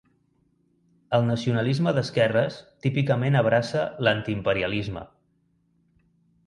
El nacionalisme d'esquerres típicament abraça l'antiimperialisme.